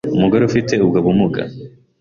umugoreufite ubwo bumuga